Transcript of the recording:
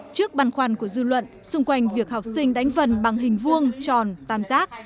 trước băn khoăn của dư luận xung quanh việc học sinh đánh vần bằng hình vuông tròn tam giác